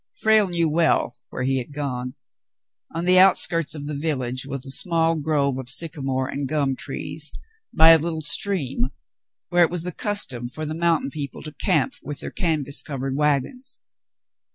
Frale knew well where he had gone. On the outskirts of the village was a small grove of sycamore and gum trees, by a little stream, where it was the custom for the mountain people to camp with their canvas covered wagons.